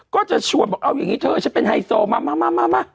ก็จะชวนบอกเอาอย่างนี้เธอฉันเป็นไฮโซมา